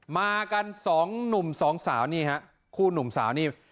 มากันสองหนุ่มสองสาวนี่ฮะคู่หนุ่มสาวนี่